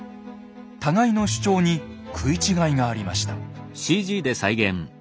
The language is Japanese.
互いの主張に食い違いがありました。